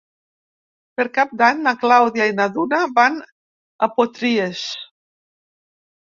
Per Cap d'Any na Clàudia i na Duna van a Potries.